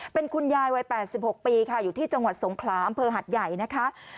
เป็นคุณยายวัย๘๖ปีค่ะอยู่ที่จังหวัดสงขลาอำเภอหัดใหญ่นะคะ